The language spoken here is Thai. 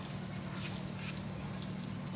ครับ